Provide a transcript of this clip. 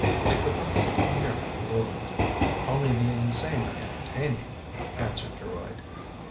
I could not see a miracle ruined." " Only the insane are entertaining," answered Geroid.